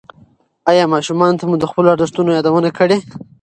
ایا ماشومانو ته مو د خپلو ارزښتونو یادونه کړې؟